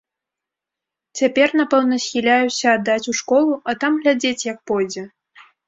Цяпер напэўна схіляюся аддаць у школу, а там глядзець, як пойдзе.